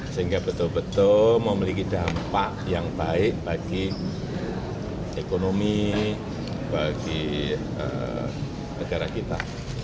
sehingga betul betul memiliki dampak yang baik bagi ekonomi bagi negara kita